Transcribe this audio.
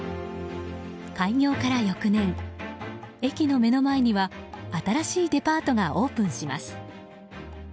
開業から翌年、駅の目の前には新しいデパートがオープンします。